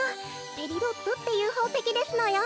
ペリドットっていうほうせきですのよ。